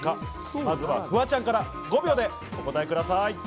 まずはフワちゃんから５秒でお答えください。